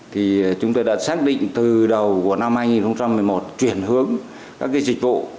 thì chúng tôi đã xác định từ đầu của năm hai nghìn một mươi một chuyển hướng các cái dịch vụ